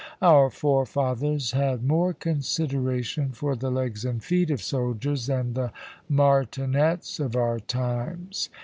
Our fore fathers had more consideration for the legs and feet of soldiers than the martinets of our times.